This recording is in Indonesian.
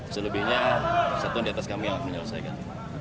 selebihnya satu di atas kami yang menyelesaikan